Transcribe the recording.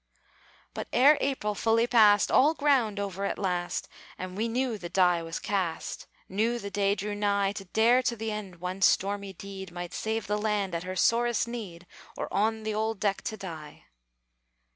But ere April fully passed All ground over at last And we knew the die was cast, Knew the day drew nigh To dare to the end one stormy deed, Might save the land at her sorest need, Or on the old deck to die!